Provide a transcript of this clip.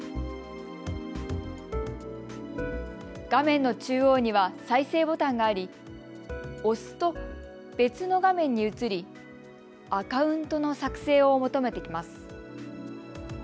画面の中央には再生ボタンがあり、押すと別の画面に移りアカウントの作成を求めてきます。